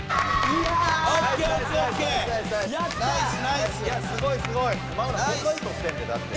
いやすごいすごい！え